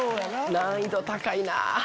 難易度高いなぁ。